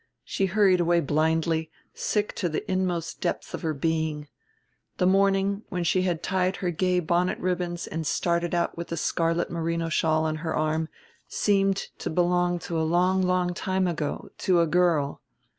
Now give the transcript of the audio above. She hurried away blindly, sick to the inmost depths of her being. The morning, when she had tied her gay bonnet ribbons and started out with the scarlet merino shawl on her arm, seemed to belong to a long, long time ago, to a girl....